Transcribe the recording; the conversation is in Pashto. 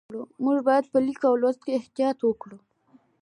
موږ باید په لیک او لوست کې احتیاط وکړو